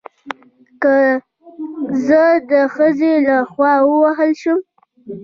که زه د ښځې له خوا ووهل شم